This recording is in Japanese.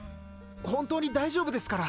本当に大丈夫ですから！